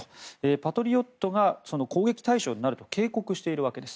パトリオットが攻撃対象になると警告しているわけです。